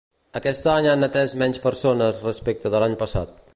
Aquest any han atès menys persones respecte de l'any passat.